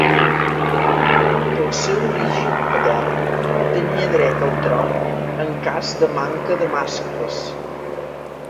Pel seu origen patern, tenia dret al tron en cas de manca de mascles.